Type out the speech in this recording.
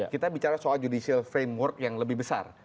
kita bicara soal judicial framework yang lebih besar